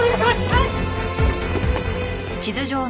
はい！